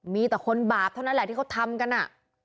มีแต่คนบาปเท่านั้นแหละที่เขาทำกันอ่ะ